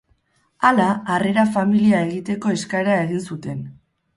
Hala, harrera familia egiteko eskaera egin zuten.